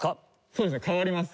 そうですね変わります。